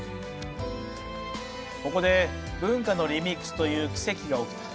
ここで文化のリミックスという奇跡が起きた。